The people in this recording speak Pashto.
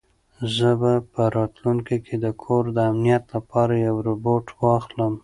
زه به په راتلونکي کې د کور د امنیت لپاره یو روبوټ واخلم.